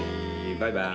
バイバイ。